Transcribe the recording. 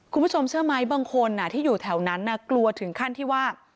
คุณผู้ชมเชื่อไหมบางคนที่อยู่แถวนั้นกลัวถึงขั้นที่ว่า